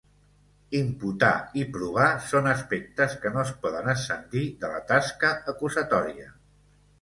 Imputar i provar són aspectes que no es poden ascendir de la tasca acusatòria.